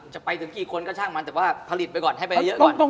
จะไปถึงกี่คนก็ช่างมันแต่ว่าผลิตไปก่อนให้ไปเยอะก่อน